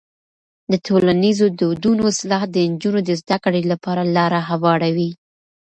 د ټولنیزو دودونو اصلاح د نجونو د زده کړې لپاره لاره هواروي.